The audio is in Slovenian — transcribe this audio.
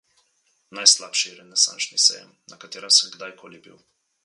Najslabši Renesančni sejem, na katerem sem kdajkoli bil.